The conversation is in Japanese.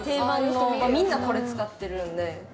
みんなこれ使ってるんで。